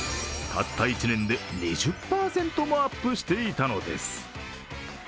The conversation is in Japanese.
たった１年で２０％もアップしていたのです。